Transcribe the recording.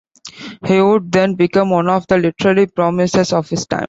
He would then become one of the literary promises of his time.